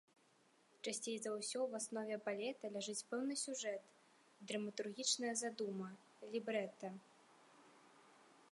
Часцей за ўсё ў аснове балета ляжыць пэўны сюжэт, драматургічная задума, лібрэта.